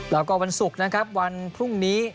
แล้วก็วันศุกร์นะครับวันพรุ่งนี้